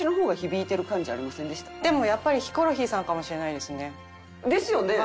でもやっぱりヒコロヒーさんかもしれないですね。ですよね！